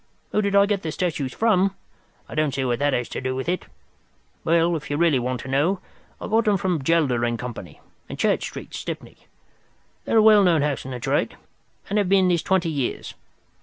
Who did I get the statues from? I don't see what that has to do with it. Well, if you really want to know, I got them from Gelder & Co., in Church Street, Stepney. They are a well known house in the trade, and have been this twenty years.